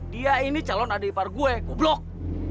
dia ini calon adik par gue goblok